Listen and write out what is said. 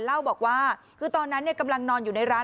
เล่าบอกว่าคือตอนนั้นกำลังนอนอยู่ในร้าน